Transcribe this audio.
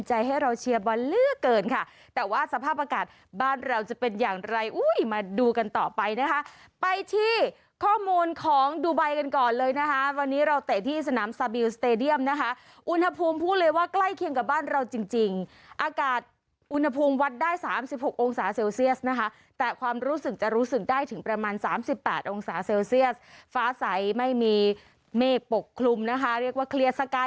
ใจให้เราเชียร์บอลเลือดเกินค่ะแต่ว่าสภาพอากาศบ้านเราจะเป็นอย่างไรมาดูกันต่อไปนะคะไปที่ข้อมูลของดูไบกันก่อนเลยนะคะวันนี้เราเตะที่สนามสาบิลสเตรเดียมนะคะอุณหภูมิพูดเลยว่าใกล้เคียงกับบ้านเราจริงอากาศอุณหภูมิวัดได้๓๖องศาเซลเซียสนะคะแต่ความรู้สึกจะรู้สึกได้ถึงประมาณ๓๘องศาเซลเซีย